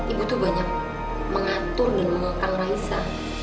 ibu tuh banyak mengatur dan mengangkang raisa